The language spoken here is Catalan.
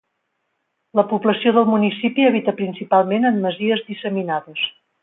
La població del municipi habita principalment en masies disseminades.